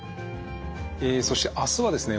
えそして明日はですね